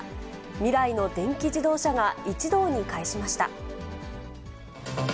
未来の電気自動車が一堂に会しました。